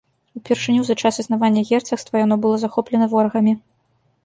Упершыню за час існавання герцагства яно было захоплена ворагамі.